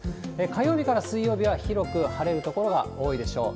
火曜日から水曜日は広く晴れる所が多いでしょう。